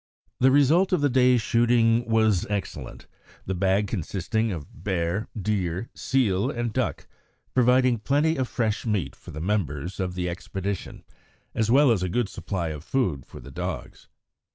The result of the day's shooting was excellent, the bag consisting of bear, deer, seal, and duck, providing plenty of fresh meat for the members of the expedition, as well as a good supply of food for the dogs.